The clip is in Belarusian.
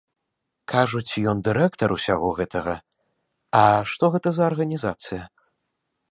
Кажуць, ён дырэктар усяго гэтага, а што гэта за арганізацыя?